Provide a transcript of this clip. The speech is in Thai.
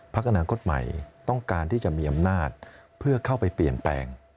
อนาคตใหม่ต้องการที่จะมีอำนาจเพื่อเข้าไปเปลี่ยนแปลง